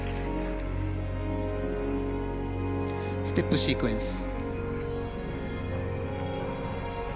ステップシークエンス。